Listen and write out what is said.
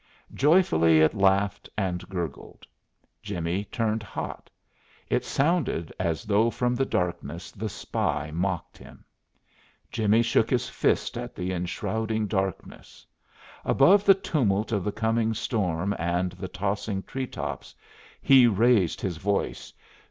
Joyfully it laughed and gurgled. Jimmie turned hot. It sounded as though from the darkness the spy mocked him. Jimmie shook his fist at the enshrouding darkness. Above the tumult of the coming storm and the tossing tree tops, he raised his voice.